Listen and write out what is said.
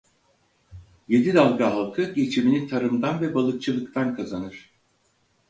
Yedidalga halkı geçimini tarımdan ve balıkçılıktan kazanır.